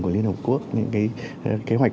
của liên hợp quốc những cái kế hoạch